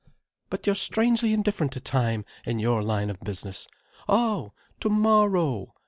_ But you're strangely indifferent to time, in your line of business. Oh! _Tomorrow!